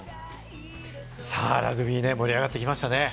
さぁ、ラグビー、盛り上がってきましたね。